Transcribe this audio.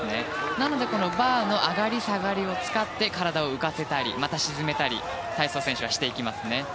なのでバーの上がり下がりを使って体を浮かせたりまた沈めたり体操選手は、していきます。